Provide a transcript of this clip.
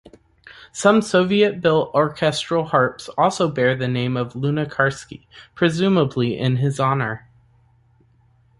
Some Soviet-built orchestral harps also bear the name of Lunacharsky, presumably in his honor.